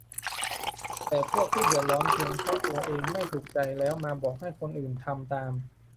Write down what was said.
แต่พวกที่เดือดร้อนเพียงเพราะตัวเองไม่ถูกใจ แล้วมาบอกให้คนอื่นทำตาม